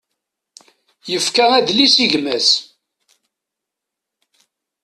Yefka adlis i gma-s.